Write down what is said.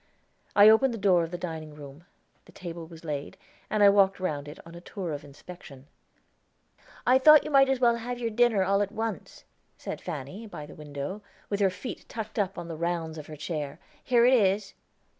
I opened the door of the dining room; the table was laid, and I walked round it, on a tour of inspection. "I thought you might as well have your dinner, all at once," said Fanny, by the window, with her feet tucked up on the rounds of her chair. "Here it is."